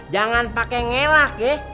jangan pake ngelak ya